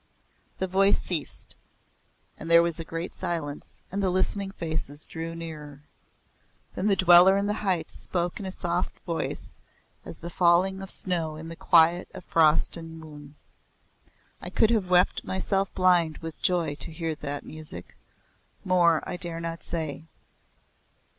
The voice ceased. And there was a great silence, and the listening faces drew nearer. Then the Dweller in the Heights spoke in a voice soft as the falling of snow in the quiet of frost and moon. I could have wept myself blind with joy to hear that music. More I dare not say.